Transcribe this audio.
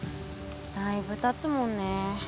だいぶたつもんね。